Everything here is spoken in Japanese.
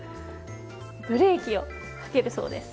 ブレーキをかけるそうです。